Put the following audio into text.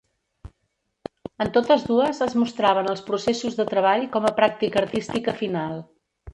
En totes dues es mostraven els processos de treball com a pràctica artística final.